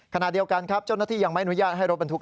ขณะเดียวกันครับเจ้าหน้าที่ยังไม่อนุญาตให้รถบรรทุก